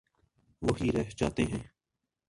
وہی رہ جاتے ہیں۔